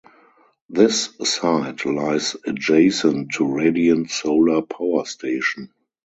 This site lies adjacent to Radiant Solar Power Station.